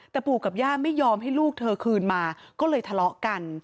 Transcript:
แต่ปู่กับย่าไม่ยอมให้ลูกเธอคืนมาก็เลยทะเลาะกัน